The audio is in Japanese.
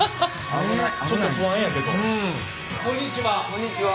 こんにちは。